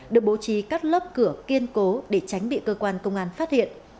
được bố trí các lớp cửa kiên cố để tránh bị cơ quan công an phát hiện